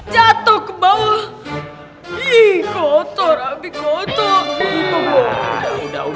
jatuh ke bawah